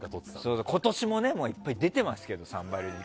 今年も、いっぱい出てますけど「サンバリュ」にね。